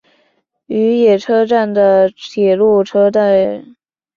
与野车站的铁路车站。